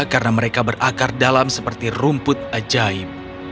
karena mereka berakar dalam seperti rumput ajaib